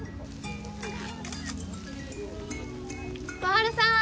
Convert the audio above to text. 小春さん